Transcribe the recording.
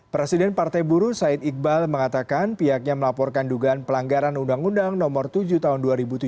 presiden partai buru said iqbal mengatakan pihaknya melaporkan dugaan pelanggaran undang undang no tujuh tahun dua ribu tujuh belas